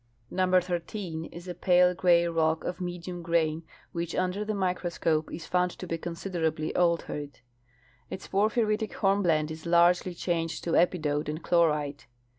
Number 13 is a pale gray rock of medium grain, which under the microscope is found to be consideraljl}^ altered. Its por phyritic hornblende is largely changed to epidote and chlorite.